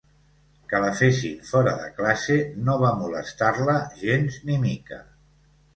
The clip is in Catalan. Que la fessin fora de classe no va molestar-la gens ni mica.